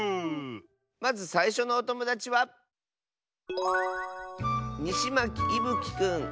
まずさいしょのおともだちはいぶきくんの。